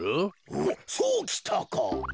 おっそうきたか。